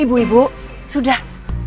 ibu ibu sudah